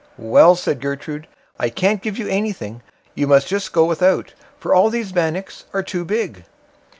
"Well", said Gertrude, "I can't give you anything; you must just go without, for all these bannocks are too big."